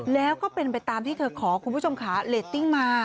แล้วก็เป็นไปตามที่เธอขอคุณผู้ชมค่ะเรตติ้งมา